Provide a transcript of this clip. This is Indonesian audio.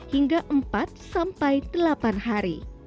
hingga empat sampai delapan hari